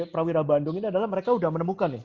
prawira bandung ini adalah mereka sudah menemukan nih